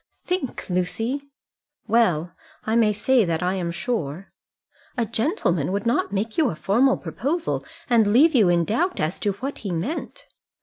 "Think, Lucy!" "Well, I may say that I am sure." "A gentleman would not make you a formal proposal, and leave you in doubt as to what he meant."